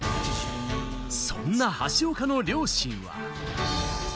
そんな橋岡の両親は。